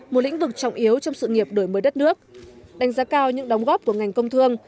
một lĩnh vực trọng yếu trong sự nghiệp đổi mới đất nước đánh giá cao những đóng góp của ngành công thương